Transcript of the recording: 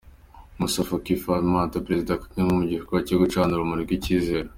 Moussa Faki Mahamat na Perezida Kagame mu gikorwa cyo gucana urumuri rw'icyizere.